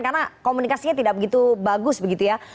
karena komunikasinya tidak begitu bagus begitu ya